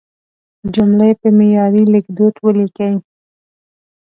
جملې په معیاري لیکدود ولیکئ.